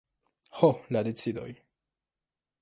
Ho, la decidoj!